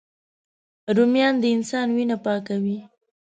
رومیان د انسان وینه پاکوي